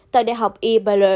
tại đại học pháp luân